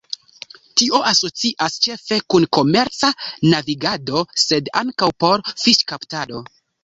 Tio asocias ĉefe kun komerca navigado sed ankaŭ por fiŝkaptado.